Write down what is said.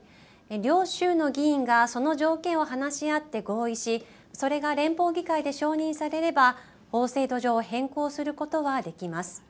両州の議員がその条件を話し合って合意しそれが連邦議会で承認されれば法制度上変更することはできます。